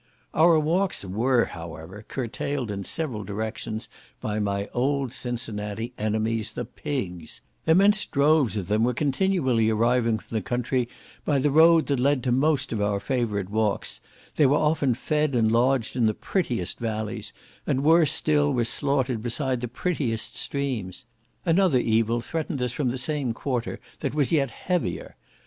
Our walks were, however, curtailed in several directions by my old Cincinnati enemies, the pigs; immense droves of them were continually arriving from the country by the road that led to most of our favourite walks; they were often fed and lodged in the prettiest valleys, and worse still, were slaughtered beside the prettiest streams. Another evil threatened us from the same quarter, that was yet heavier.